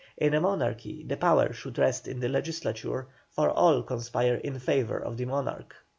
In a Monarchy the power should rest in the legislature, for all conspire in favour of the monarch."